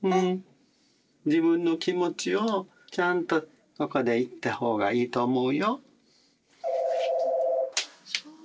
自分の気持ちをちゃんとここで言ったほうがいいと思うよ。